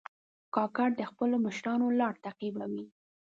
کاکړ د خپلو مشرانو لار تعقیبوي.